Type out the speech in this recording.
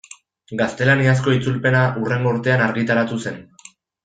Gaztelaniazko itzulpena hurrengo urtean argitaratu zen.